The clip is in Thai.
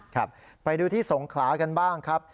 ครับไปดูที่สงขลากันบ้างครับ